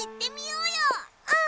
うん！